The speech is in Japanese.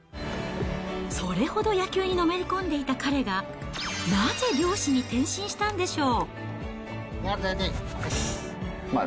それほど野球にのめり込んでいた彼が、なぜ漁師に転身したんでしょう。